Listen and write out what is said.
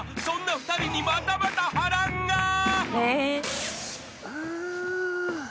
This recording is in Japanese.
［そんな２人にまたまた波乱が］